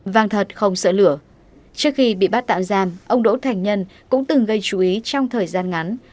vàng thật không sợ lửa trước khi bị bắt tạm giam ông đỗ thành nhân cũng từng gây chú ý trong thời gian ngắn